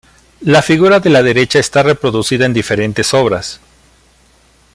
La figura de la derecha está reproducida en diferentes obras.